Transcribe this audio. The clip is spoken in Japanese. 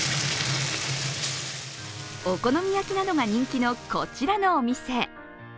お好み焼きなどが人気のこちらのお店。